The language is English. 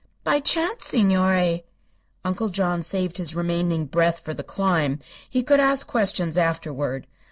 "By chance, signore." Uncle John saved his remaining breath for the climb. He could ask questions afterward.